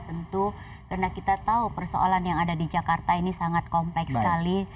tentu karena kita tahu persoalan yang ada di jakarta ini sangat kompleks sekali